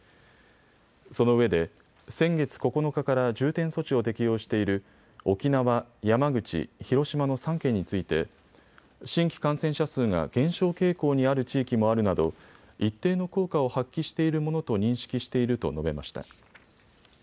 そのうえで先月９日から重点措置を適用している沖縄、山口、広島の３県について新規感染者数が減少傾向にある地域もあるなど一定の効果を発揮しているものと認識していると述べました。